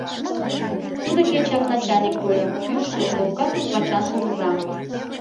Тудо кечак начальник тольо — кӱкшӧ, лопка туп-вачан кугыза.